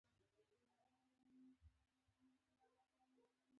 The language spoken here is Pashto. لویه ستونزه د ښوونکو کموالی و.